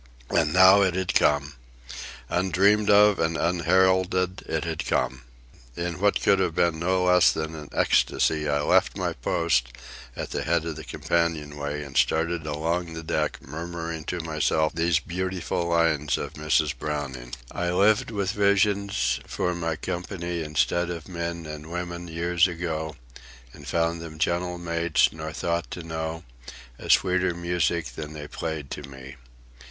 And now it had come! Undreamed of and unheralded, it had come. In what could have been no less than an ecstasy, I left my post at the head of the companion way and started along the deck, murmuring to myself those beautiful lines of Mrs. Browning: "I lived with visions for my company Instead of men and women years ago, And found them gentle mates, nor thought to know A sweeter music than they played to me."